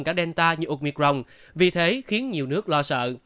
cả delta như omicron vì thế khiến nhiều nước lo sợ